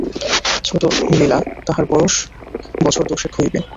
ছোটো লীলা, তাহার বয়স বছর দশেক হইবে।